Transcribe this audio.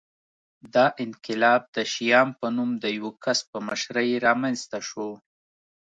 دا انقلاب د شیام په نوم د یوه کس په مشرۍ رامنځته شو